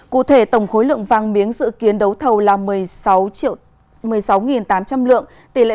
cụ thể tổng khối lượng vàng miếng dự kiến đấu thầu là một mươi sáu tám trăm linh lượng